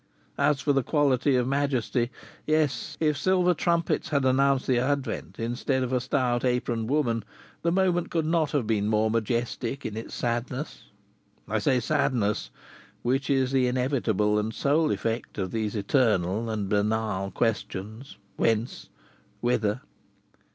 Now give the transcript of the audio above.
As for the quality of majesty yes, if silver trumpets had announced the advent, instead of a stout, aproned woman, the moment could not have been more majestic in its sadness. I say "sadness," which is the inevitable and sole effect of these eternal and banal questions, "Whence? Whither?"